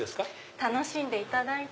楽しんでいただいて。